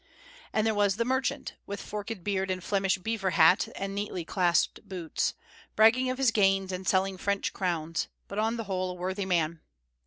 And there was the merchant, with forked beard and Flemish beaver hat and neatly clasped boots, bragging of his gains and selling French crowns, but on the whole a worthy man.